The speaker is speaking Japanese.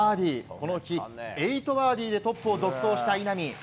この日、８バーディーでトップを独走した稲見。